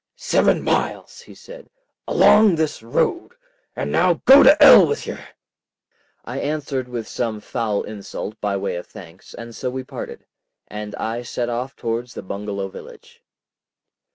"Seven miles," he said, "along this road. And now go to 'ell with yer!" I answered with some foul insult by way of thanks, and so we parted, and I set off towards the bungalow village.